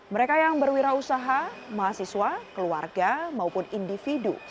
mereka yang berwirausaha mahasiswa keluarga maupun individu